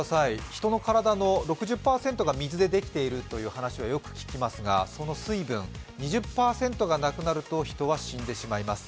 人の体の６０％が水でできているという話をよく聞きますがその水分、２０％がなくなると人は死んでしまいます。